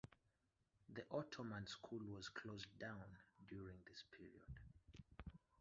The Ottoman school was closed down during this period.